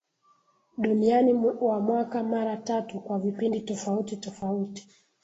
Duniani wa mwaka mara tatu kwa vipindi tofauti tofauti